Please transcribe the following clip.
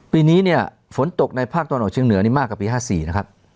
ปีนี้เนี่ยฝนตกในภาคตะวันออกเชียงเหนือนี่มากกว่าปี๕๔นะครับ